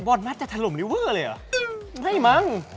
มักจะถล่มลิเวอร์เลยเหรอไม่มั้ง